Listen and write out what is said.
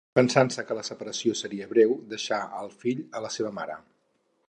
Pensant-se que la separació seria breu, deixà el fill amb la seva mare.